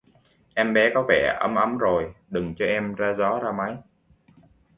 Em bé có vẻ ấm ấm rồi, đừng cho em ra gió ra máy